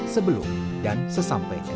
sebelum dan sesampai sekarang